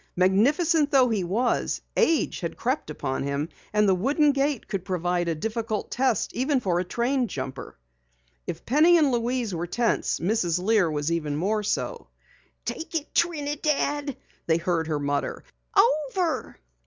Magnificent though he was, age had crept upon him, and the wooden gate could prove a difficult test for a trained jumper. If Penny and Louise were tense, Mrs. Lear was even more so. "Take it, Trinidad!" they heard her mutter. "Over!"